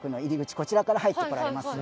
こちらから入ってこられます